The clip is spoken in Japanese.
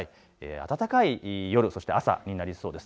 暖かい夜、そして朝になりそうです。